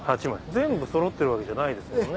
全部そろってるわけじゃないですもんね。